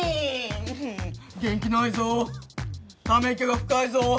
元気ないぞーため息が深いぞー